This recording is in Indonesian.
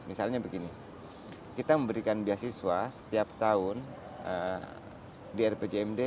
misalnya begini kita memberikan beasiswa setiap tahun di rpjmd